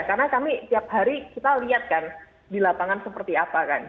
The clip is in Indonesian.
karena kami tiap hari kita lihat kan di lapangan seperti apa kan